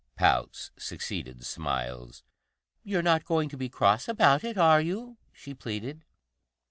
Pouts succeeded smiles. "You're not going to be cross about it, are you?" she pleaded.